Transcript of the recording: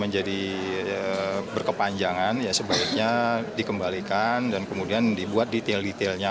jadi berkepanjangan ya sebaiknya dikembalikan dan kemudian dibuat detail detailnya